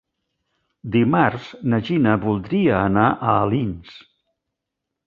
Dimarts na Gina voldria anar a Alins.